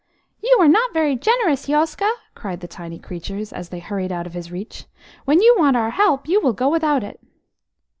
"You are not very generous, Yoska," cried the tiny creatures, as they hurried out of his reach. "When you want our help, you will go without it."